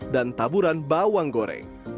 dan taburan bawang goreng